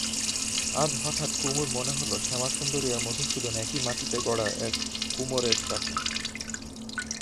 আজ হঠাৎ কুমুর মনে হল শ্যামাসুন্দরী আর মধুসূদন একই মাটিতে গড়া এক কুমোরের চাকে।